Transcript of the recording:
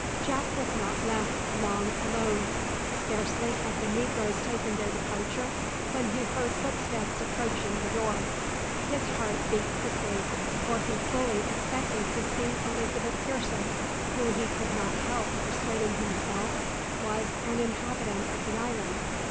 Jack was not left long alone. Scarcely had the negroes taken their departure when he heard footsteps approaching the door. His heart beat quickly, for he fully expected to see Elizabeth Pearson, who he could not help persuading himself was an inhabitant of the island.